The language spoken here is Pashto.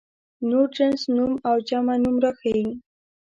نور جنس نوم او جمع نوم راښيي.